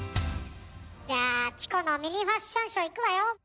じゃあチコのミニファッションショーいくわよ。